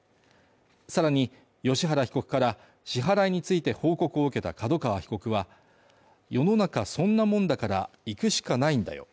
さらに、芳原被告から支払いについて報告を受けた角川被告は、世の中そんなもんだから、行くしかないんだよ。